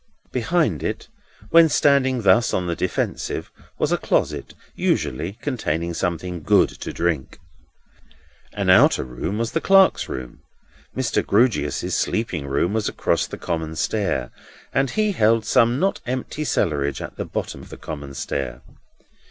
Behind it, when standing thus on the defensive, was a closet, usually containing something good to drink. An outer room was the clerk's room; Mr. Grewgious's sleeping room was across the common stair; and he held some not empty cellarage at the bottom of the common stair.